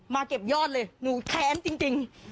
เก็บยอดเลยหนูแค้นจริง